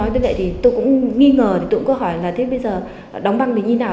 vì vậy tôi cũng nghi ngờ tôi cũng có hỏi là thế bây giờ đóng băng thì như nào